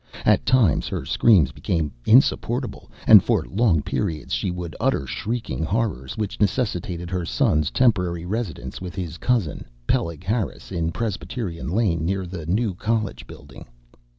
At times her screams became insupportable, and for long periods she would utter shrieking horrors which necessitated her son's temporary residence with his cousin, Peleg Harris, in Presbyterian Lane near the new college building.